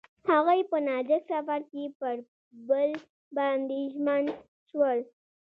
هغوی په نازک سفر کې پر بل باندې ژمن شول.